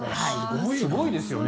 すごいですよね。